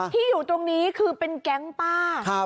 ที่อยู่ตรงนี้คือเป็นแก๊งป้า